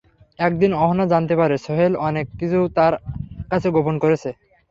একদিন অহনা জানতে পারে, সোহেল অনেক কিছু তার কাছে গোপন করেছে।